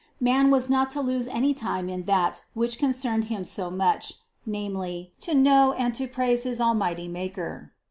Man was not to lose any time in that which con cerned him so much : namely, to know and to praise his almighty Maker.